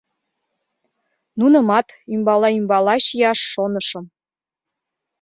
— Нунымат ӱмбала-ӱмбала чияш шонышым.